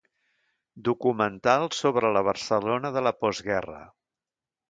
Documental sobre la Barcelona de la postguerra.